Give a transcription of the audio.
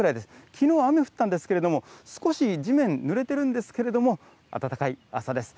きのう、雨降ったんですけれども、少し地面、ぬれてるんですけれども、暖かい朝です。